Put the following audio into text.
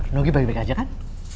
nogi baik baik aja kan